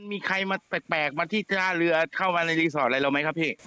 มีใครมาแปลกมาที่ท่าเรือเข้ามาในรีสอร์ทอะไรเราไหมครับพี่